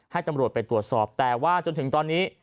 ให้ตำรวจไปตรวจสอบแต่ว่าจนถึงตอนนี้